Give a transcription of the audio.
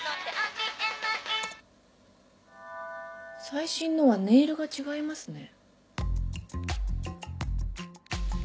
最新のはネイルが違いますね。